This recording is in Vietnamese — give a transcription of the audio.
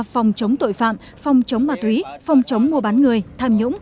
phòng chống tội phạm phòng chống ma túy phòng chống mua bán người tham nhũng